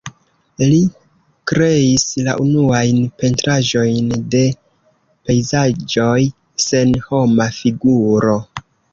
Li kreis la unuajn pentraĵojn de pejzaĝoj sen homa figuro.